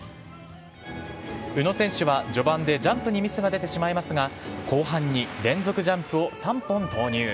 宇野選手は序盤でジャンプにミスが出てしまいますが、後半に連続ジャンプを３本投入。